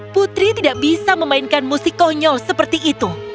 putri tidak bisa memainkan musik konyol seperti itu